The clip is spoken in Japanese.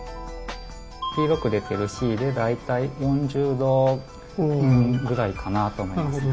黄色く出てるｃで大体４０度ぐらいかなあと思います。